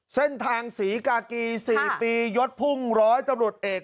เส้นทางศรีกากี๔ปียดพุ่งร้อยตำรวจเอก